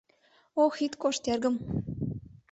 Ох, ит кошт, эргым!»